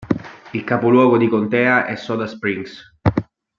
Il capoluogo di contea è Soda Springs.